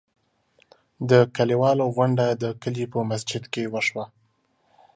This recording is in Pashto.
د کلیوالو غونډه د کلي په مسجد کې وشوه.